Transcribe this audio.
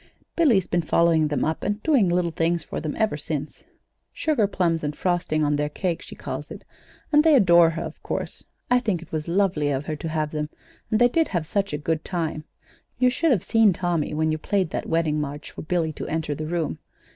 Billy's been following them up and doing little things for them ever since sugarplums and frosting on their cake, she calls it; and they adore her, of course. I think it was lovely of her to have them, and they did have such a good time! You should have seen Tommy when you played that wedding march for Billy to enter the room.